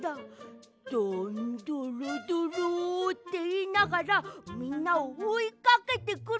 「どんどろどろ」っていいながらみんなをおいかけてくる。